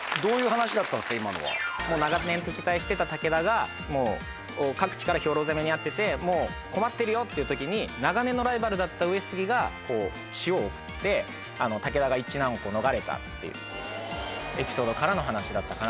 長年敵対していた武田が各地から兵糧攻めに遭ってて困ってるよっていう時に長年のライバルだった上杉が塩を送って武田が一難を逃れたっていうエピソードからの話だったかなと。